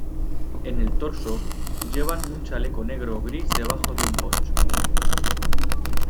En el torso, llevan un chaleco negro o gris debajo de un poncho.